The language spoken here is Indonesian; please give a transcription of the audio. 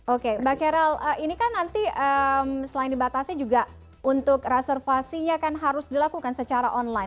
oke mbak kerel ini kan nanti selain dibatasi juga untuk reservasinya kan harus dilakukan secara online